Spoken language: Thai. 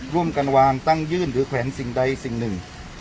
ร่วมกันวางตั้งยื่นหรือแขวนสิ่งใดสิ่งหนึ่ง